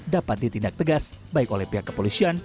dapat ditindak tegas baik oleh pihak kepolisian